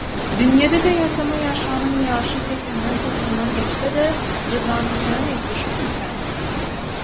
Dünýede-de ýasama ýaşanyň ýaşy segsenden, togsandan geçse-de jyzlanyňkydan üýtgeşikmikä?